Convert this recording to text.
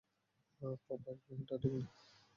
পাপা এটা ঠিক না।